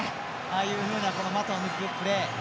ああいうような股を抜くプレー。